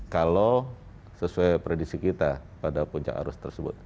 kalau sesuai prediksi kita pada puncak arus tersebut